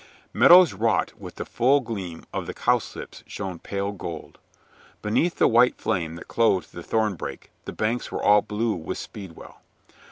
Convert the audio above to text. Meadows wrought with the full gleam of the cowslips shone pale gold. Beneath the white flame that clothed the thornbrake the banks were all blue with speedwell.